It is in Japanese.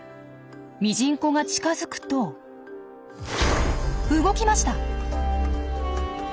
ミジンコが近づくと動きました！